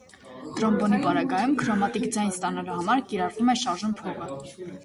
Տրոմբոնի պարագայում քրոմատիկ ձայն ստանալու համար կիրառվում է շարժուն փողը։